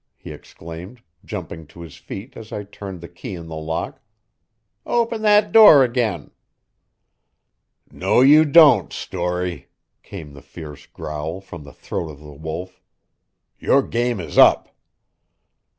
he exclaimed, jumping to his feet as I turned the key in the lock. "Open that door again!" "No you don't, Storey," came the fierce growl from the throat of the Wolf. "Your game is up."